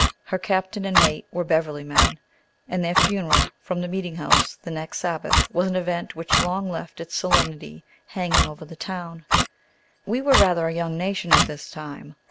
Her captain and mate were Beverly men, and their funeral from the meeting house the next Sabbath was an event which long left its solemnity hanging over the town. We were rather a young nation at this time.